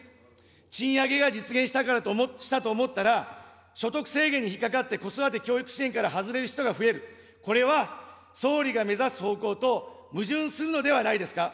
賃上げが実現したと思ったら、所得制限に引っかかって、子育て支援から外れる人が増える、これは総理が目指す方向と矛盾するのではないですか。